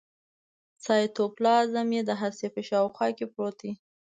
سایتوپلازم یې د هستې په شاوخوا کې پروت دی.